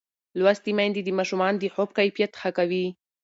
لوستې میندې د ماشومانو د خوب کیفیت ښه کوي.